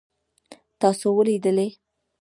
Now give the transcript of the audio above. تاسو ولوېدلئ؟